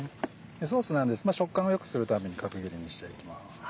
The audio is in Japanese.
ソースなので食感を良くするために角切りにしていきます。